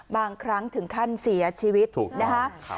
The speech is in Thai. บางครั้งถึงขั้นเสียชีวิตนะคะ